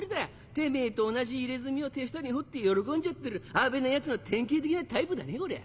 てめぇと同じ入れ墨を手下に彫って喜んじゃってる危ないヤツの典型的なタイプだねこりゃ。